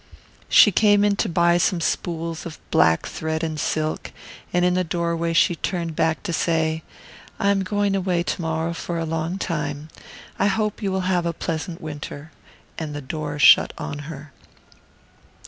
She came in to buy some spools of black thread and silk, and in the doorway she turned back to say: "I am going away to morrow for a long time. I hope you will have a pleasant winter." And the door shut on her.